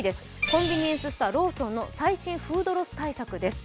コンビニエンスストアローソンの最新フードロス対策です。